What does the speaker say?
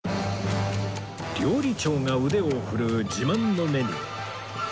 料理長が腕を振るう自慢のメニュー